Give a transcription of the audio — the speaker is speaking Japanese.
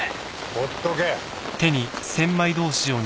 ほっとけ。